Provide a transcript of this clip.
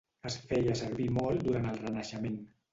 Es feia servir molt durant el Renaixement.